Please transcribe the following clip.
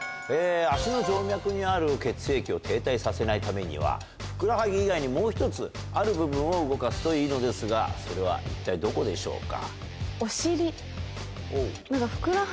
足の静脈にある血液を停滞させないためにはふくらはぎ以外にもう１つある部分を動かすといいのですがそれは一体どこでしょうか？